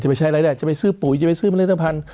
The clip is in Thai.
จะไปใช้อะไรได้จะไปซื้อปุ๋ยจะไปซื้อบรรเทศพันธ์